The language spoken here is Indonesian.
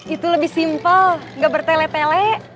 itu lebih simpel gak bertele tele